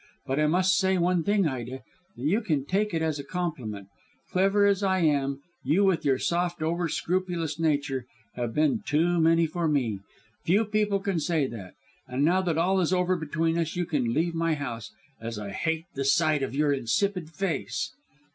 But I must say one thing, Ida, and you can take it as a compliment. Clever as I am, you with your soft over scrupulous nature have been too many for me. Few people can say that. And now that all is over between us, you can leave my house, as I hate the sight of your insipid face."